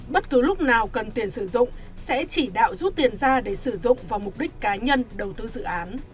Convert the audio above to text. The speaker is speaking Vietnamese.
bất cứ lúc nào cần tiền sử dụng sẽ chỉ đạo rút tiền ra để sử dụng vào mục đích cá nhân đầu tư dự án